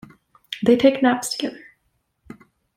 They take naps together.